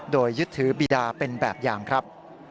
โดยยึดถือบีดาเป็นแบบอย่างครับ